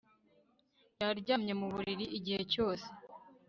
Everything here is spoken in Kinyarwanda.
Yaryamye mu buriri igihe cyose